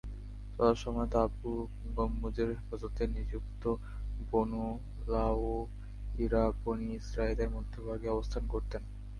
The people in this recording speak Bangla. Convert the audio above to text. চলার সময় তাঁবু-গম্বুজের হেফাজতে নিযুক্ত বনু লাওয়ীরা বনী ইসরাঈলের মধ্যভাগে অবস্থান করতেন।